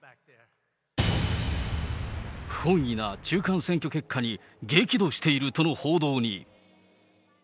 不本意な中間選挙結果に激怒しているとの報道に。